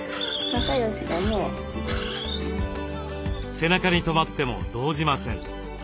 背中にとまっても動じません。